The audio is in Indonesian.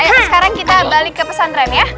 oke sekarang kita balik ke pesantren ya